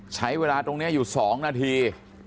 ใช้เวลาตรงนี้อยู่๒นาที